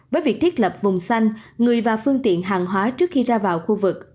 với việc thiết lập vùng xanh người và phương tiện hàng hóa trước khi ra vào khu vực